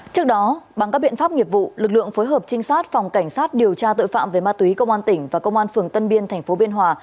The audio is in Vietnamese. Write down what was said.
trước đó bằng các biện pháp nghiệp vụ lực lượng phối hợp trinh sát phòng cảnh sát điều tra tội phạm về ma túy công an tỉnh và công an phường tân biên tp biên hòa